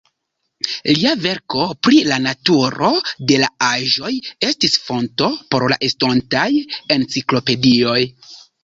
Lia verko "Pri la naturo de la aĵoj" estis fonto por la estontaj enciklopedioj.